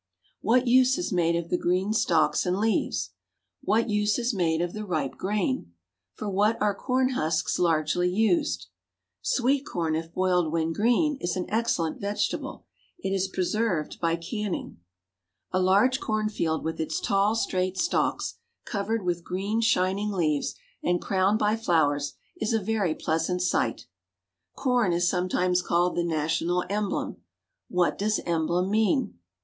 What use is made of the green stalks and leaves? What use is made of the ripe grain? For what are corn husks largely used? Sweet corn, if boiled when green, is an excellent vegetable. It is preserved by canning. A large cornfield, with its tall, straight stalks, covered with green shining leaves and crowned by flowers, is a very pleasant sight. [Illustration: "ANOTHER GRAIN WHICH WE FIND ON ALMOST EVERY TABLE."] Corn is sometimes called the national emblem. What does emblem mean?